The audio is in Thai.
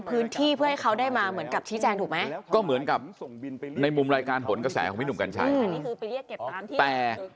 พื้นที่เพื่อให้เขาได้มาเหมือนกับชี้แจงถูกไหมก็เหมือนกับในมุมรายการหนกระแสของพี่หนุ่มกัญชัยแต่ใครจะไปไปบอกไปอะไรยังไงไปมีค่าใช้จ่ายอะไรยังไงเราไม่รู้เรื่องหรอก